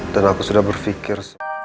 dan aku sudah berpikir